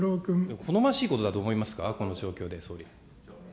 好ましいことだと思いますか、この状況で、総理。